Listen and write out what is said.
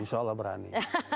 insya allah berani